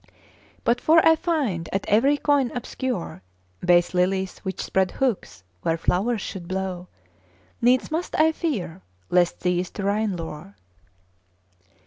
But for I find at every coign obscure Base lilies which spread hooks where flowers should blow Needs must I fear lest these to ruin lure.